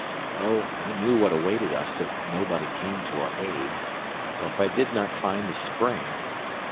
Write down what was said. Oh, I knew what awaited us if nobody came to our aid ... or if I did not find the spring!